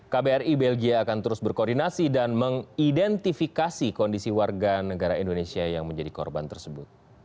kbri belgia akan terus berkoordinasi dan mengidentifikasi kondisi warga negara indonesia yang menjadi korban tersebut